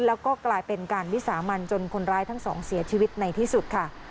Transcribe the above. แล้วก็กลายเป็นการวิสามันจนคนร้ายทั้งสองเสียชีวิตในที่สุดค่ะ